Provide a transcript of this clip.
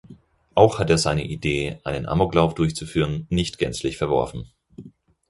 Auch hat er seine Idee, einen Amoklauf durchzuführen, nicht gänzlich verworfen.